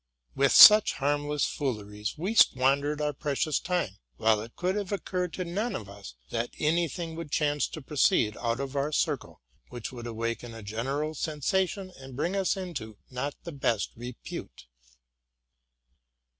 With such harmless fooleries we squandered our precious time ; while it could have occurred to none of us, that any thing would chance to proceed out of our circle which would awaken a general sensation and bring us into not the best repute.